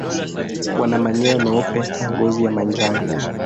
Wana manyoya meupe na ngozi ya manjano.